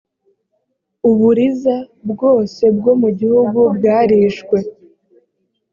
uburiza bwose bwo mu gihugu bwarishwe